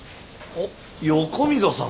あっ横溝さん。